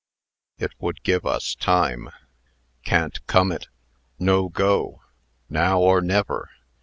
It would give us time " "Can't come it!" "No go!" "Now, or never!"